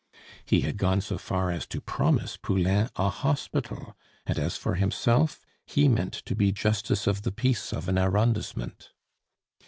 He had gone so far as to promise Poulain a hospital, and as for himself, he meant to be justice of the peace of an arrondissement.